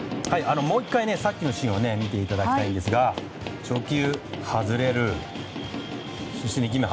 もう１回、さっきのシーン見ていただきたいんですが初球、外れる。